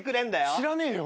知らねえよ。